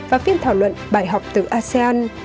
và phiên thảo luận bài học từ asean